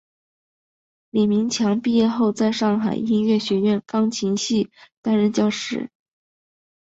李名强毕业后在上海音乐学院钢琴系担任教师。